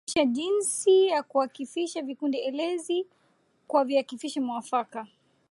Sheria hizo mbili zina kanuni nne ambazo zinaonesha jinsi ya kuakifisha vikundi elezi kwa viakifishi mwafaka.